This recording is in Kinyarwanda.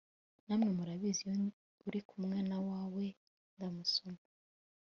namwe murabizi iyo uri kumwe na wawe ndamusoma